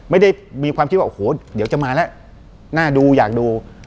ไม่ได้มีความคิดว่าโอ้โหเดี๋ยวจะมาแล้วน่าดูอยากดู